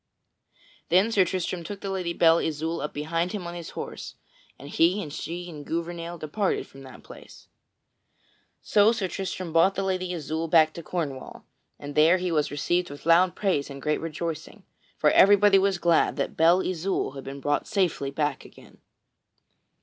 Then Sir Tristram took the Lady Belle Isoult up behind him on his horse, and he and she and Gouvernail departed from that place. [Sidenote: Sir Tristram brings Belle Isoult back to Cornwall] So Sir Tristram brought the Lady Isoult back to Cornwall, and there he was received with loud praise and great rejoicing, for everybody was glad that Belle Isoult had been brought safely back again.